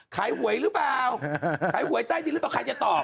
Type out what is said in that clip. หวยหรือเปล่าขายหวยใต้ดินหรือเปล่าใครจะตอบ